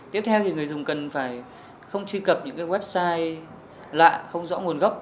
tiếp theo thì người dùng cần phải không truy cập những website lạ không rõ nguồn gốc